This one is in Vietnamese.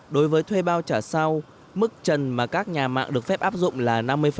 đối với thuê bao trả sau mức trần mà các nhà mạng được phép áp dụng là năm mươi